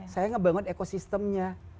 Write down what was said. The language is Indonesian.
saya ngebangun ekosistemnya